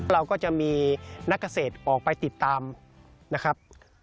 เราก็จะมีนักเกษตรออกไปติดตามนะครับ